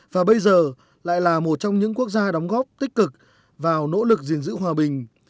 và bây giờ lại là một trong những quốc gia đóng góp tích cực vào nỗ lực gìn giữ hòa bình